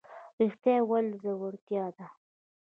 رښتیا ویل زړورتیا ده